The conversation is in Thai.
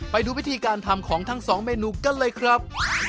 ไปดูวิธีการทำของทั้งสองเมนูกันเลยครับ